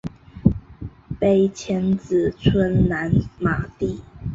碑迁址村南马地。